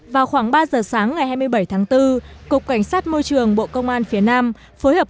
vào khoảng ba giờ sáng ngày hai mươi bảy tháng bốn cục cảnh sát môi trường bộ công an phía nam phối hợp